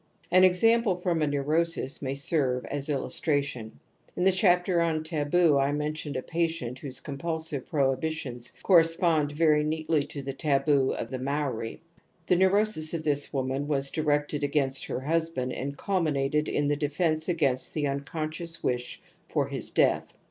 An example from a neurosis may serve as illustration. In the chapter on taboo I men tioned a patient whose compulsive prohibitions coftespond very neatly to the taboo of the Maori ^•. The neurosis of this woman was directed against her husband and culminated in the defence against the unconscious'' wish for his death.